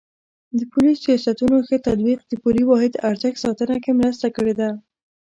د پولي سیاستونو ښه تطبیق د پولي واحد ارزښت ساتنه کې مرسته کړې ده.